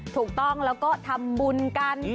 ถูกต้องแล้วก็ทำบุญกัน